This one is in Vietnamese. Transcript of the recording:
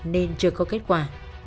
nên chưa có kết quả